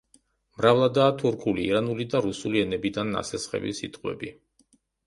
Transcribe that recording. მრავლადაა თურქული, ირანული და რუსული ენებიდან ნასესხები სიტყვები.